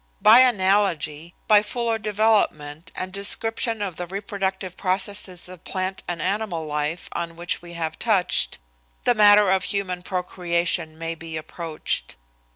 By analogy, by fuller development and description of the reproductive processes of plant and animal life on which we have touched, the matter of human procreation may be approached.